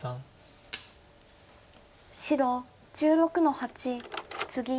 白１６の八ツギ。